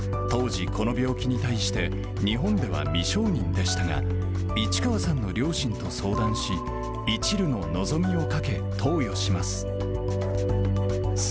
当時、この病気に対して、日本では未承認でしたが、市川さんの両親と相談し、いちるの望みをかけ、投与します。